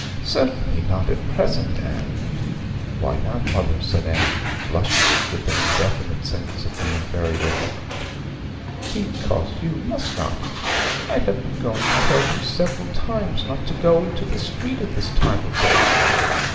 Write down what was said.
'Certainly not at present, Anne.' 'Why not, mother?' said Anne, blushing with an indefinite sense of being very wicked. 'Because you must not. I have been going to tell you several times not to go into the street at this time of day.